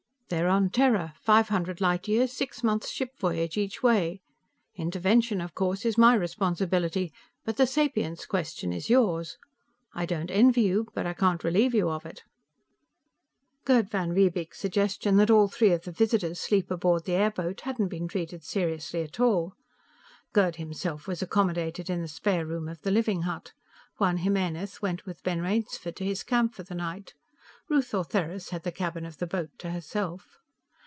They're on Terra, five hundred light years, six months' ship voyage each way. Intervention, of course, is my responsibility, but the sapience question is yours. I don't envy you, but I can't relieve you of it." Gerd van Riebeek's suggestion that all three of the visitors sleep aboard the airboat hadn't been treated seriously at all. Gerd himself was accommodated in the spare room of the living hut. Juan Jimenez went with Ben Rainsford to his camp for the night. Ruth Ortheris had the cabin of the boat to herself.